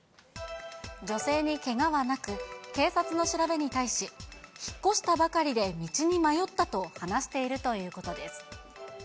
女性にけがはなく、警察の調べに対し、引っ越したばかりで道に迷ったと話しているということです。